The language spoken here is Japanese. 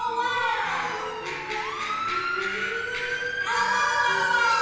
「あわわわわ！」